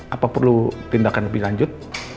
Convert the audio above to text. apa perlu tindakan lebih lanjut